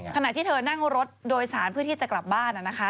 ขณะที่เธอนั่งรถโดยสารเพื่อที่จะกลับบ้านนะคะ